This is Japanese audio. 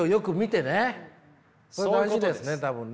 それが大事ですね多分ね。